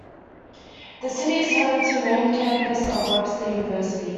The city is home to the main campus of Webster University.